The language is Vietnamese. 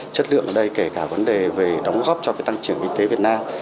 chất lượng ở đây kể cả vấn đề về đóng góp cho tăng trưởng kinh tế việt nam